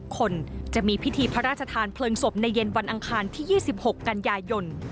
คนจะมีพิธีพระราชทานเพลิงศพในเย็นวันอังคารที่๒๖กันยายน